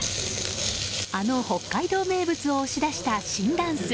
あの北海道名物を押し出した新ダンス。